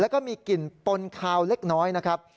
แล้วก็มีกลิ่นปนคาวเล็กน้อยนะครับ